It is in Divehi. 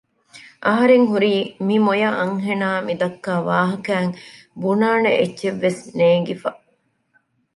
އަހަރެން ހުރީ މި މޮޔަ އަންހެނާ މިދައްކާ ވާހައިން ބުނާނެ އެއްޗެއްވެސް ނޭންގިފަ